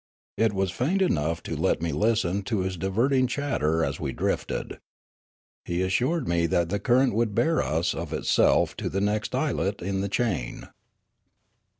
It was faint enough to let me listen to his diverting chatter as we drifted. He assured me that the current would bear us of itself to the uext islet in the chain.